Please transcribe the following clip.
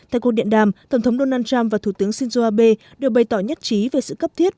tại cuộc điện đàm tổng thống donald trump và thủ tướng shinzo abe đều bày tỏ nhất trí về sự cấp thiết